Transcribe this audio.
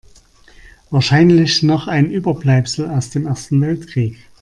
Wahrscheinlich noch ein Überbleibsel aus dem Ersten Weltkrieg.